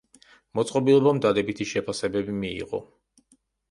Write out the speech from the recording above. მოწყობილობამ დადებითი შეფასებები მიიღო.